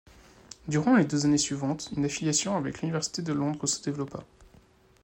Durant les deux années suivantes, une affiliation avec l'université de Londres se développa.